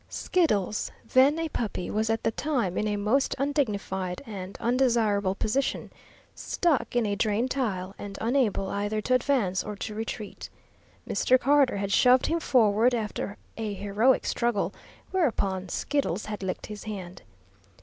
Skiddles, then a puppy, was at the time in a most undignified and undesirable position, stuck in a drain tile, and unable either to advance or to retreat. Mr. Carter had shoved him forward, after a heroic struggle, whereupon Skiddles had licked his hand.